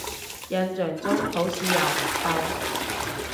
印象中好似又唔臭